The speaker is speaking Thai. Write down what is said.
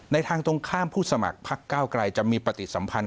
ทางตรงข้ามผู้สมัครพักเก้าไกลจะมีปฏิสัมพันธ